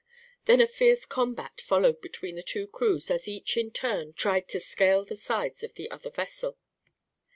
Then a fierce combat followed between the two crews as each in turn tried to scale the sides of the other vessel.